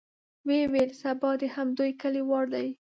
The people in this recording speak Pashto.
ويې ويل: سبا د همدې کليو وار دی.